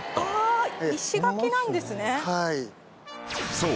［そう。